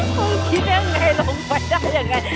พูดคิดยังไงลงไปได้ยังไง